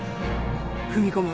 踏み込む。